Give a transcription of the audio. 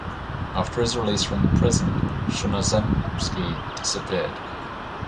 After his release from the prison, Chernozemski disappeared.